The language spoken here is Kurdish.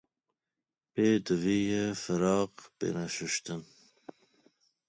Pêdivî ye firaq bêne şuştin